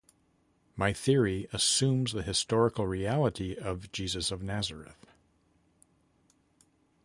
My theory assumes the historical reality of Jesus of Nazareth.